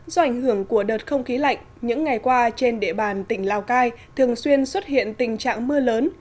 do ảnh hưởng của đợt không khí lạnh những ngày qua trên địa bàn tỉnh lào cai thường xuyên xuất hiện tình trạng mưa lớn